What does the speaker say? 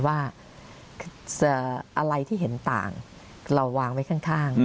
ว่าอะไรที่เห็นต่างเราวางไว้ข้าง